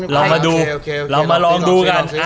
เรามาดูกัน